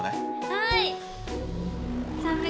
はい。